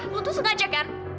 lu tuh sengaja kan